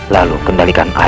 lakukan sekarang gensantang